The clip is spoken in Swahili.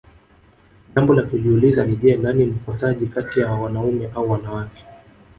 jambo la kujiuliza ni je nani mkosaji kati ya wanaume au wanawake